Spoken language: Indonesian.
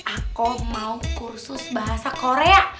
aku mau kursus bahasa korea